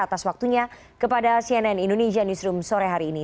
atas waktunya kepada cnn indonesia newsroom sore hari ini